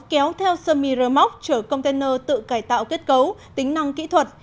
kéo theo semi remock chở container tự cải tạo kết cấu tính năng kỹ thuật